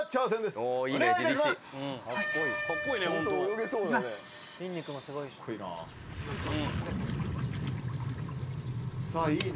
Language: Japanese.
すごい。